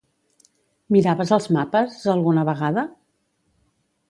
Miraves els mapes, alguna vegada?